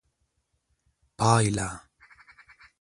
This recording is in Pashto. پایله: